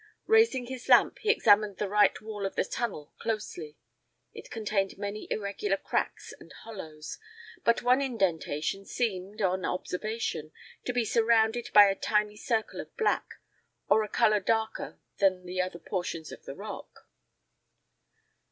Raising his lamp, he examined the right wall of the tunnel closely. It contained many irregular cracks and hollows, but one indentation seemed, on observation, to be surrounded by a tiny circle of black, or a color darker than the other portions of the rock.